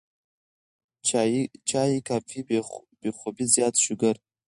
چائے ، کافي ، بې خوابي ، زيات شوګر